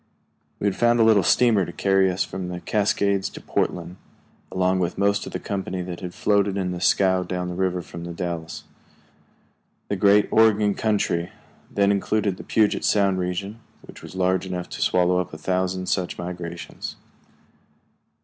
We had found a little steamer to carry us from the Cascades to Portland, along with most of the company that had floated in the scow down the river from The Dalles. The great Oregon Country, then including the Puget Sound region, was large enough to swallow up a thousand such migrations.